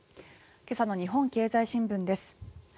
今朝の日本経済新聞です。